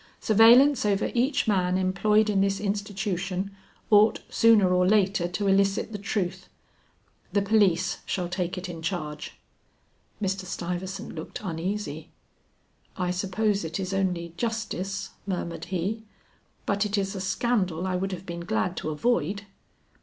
Surveillance over each man employed in this institution ought sooner or later to elicit the truth. The police shall take it in charge." Mr. Stuyvesant looked uneasy. "I suppose it is only justice," murmured he, "but it is a scandal I would have been glad to avoid."